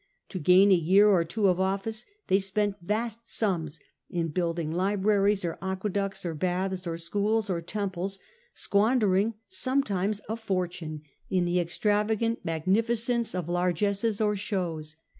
To gain a year or two of office they spent vast sums in building libraries or aqueducts, or baths, or schools, or temples, squandering sometimes a fortune in the extravagant magnificence of largesses or shows.